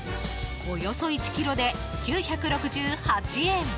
およそ１ｋｇで９６８円。